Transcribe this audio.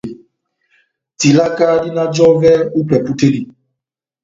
Tilaka dina jɔvɛ ó ipɛpu tɛ́ dí.